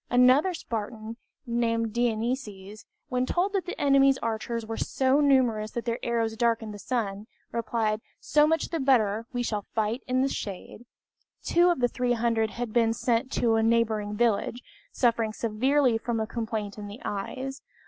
Another Spartan, named Dienices, when told that the enemy's archers were so numerous that their arrows darkened the sun, replied, "So much the better, we shall fight in the shade." Two of the 300 had been sent to a neighboring village, suffering severely from a complaint in the eyes.